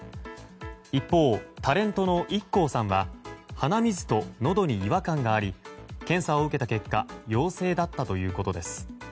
一方、タレントのＩＫＫＯさんは鼻水とのどに違和感があり検査を受けた結果陽性だったということです。